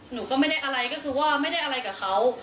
หนูก็ไม่ได้อะไรก็คือว่าไม่ได้อะไรกับเขา